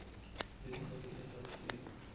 যদি মাদক বেরিয়ে যায়, সারা দেশে ছড়িয়ে পড়ে।